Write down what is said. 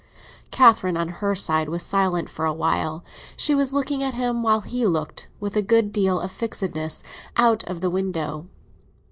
Catherine on her side was silent for a while; she was looking at him while he looked, with a good deal of fixedness, out of the window.